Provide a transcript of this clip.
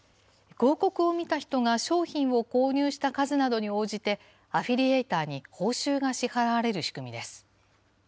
広告を見た人が商品を購入した数などに応じて、アフィリエイターに報酬が支払われる仕組みです。